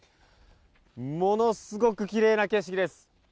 ものすごくきれいな景色です。